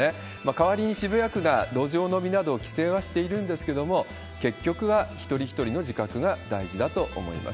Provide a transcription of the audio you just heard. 代わりに渋谷区が路上飲みなど規制はしているんですけれども、結局は一人一人の自覚が大事だと思います。